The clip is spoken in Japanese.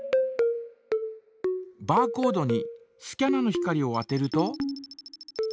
バーコードにスキャナの光を当てると。